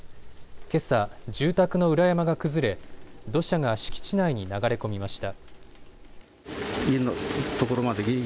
けさ、住宅の裏山が崩れ土砂が敷地内に流れ込みました。